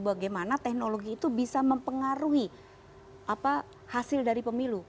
bagaimana teknologi itu bisa mempengaruhi hasil dari pemilu